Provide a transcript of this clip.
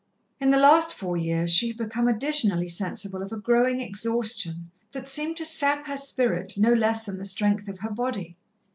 In the last four years she had become additionally sensible of a growing exhaustion, that seemed to sap her spirit no less than the strength of her body.